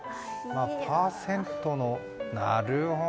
パーセントのなるほどね。